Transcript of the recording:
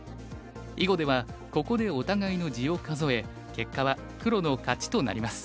囲碁ではここでお互いの地を数え結果は黒の勝ちとなります。